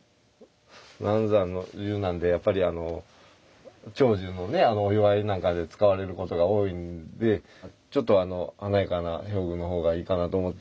南山寿なんで長寿のねお祝いなんかで使われることが多いんでちょっと華やかな表具の方がいいかなと思って。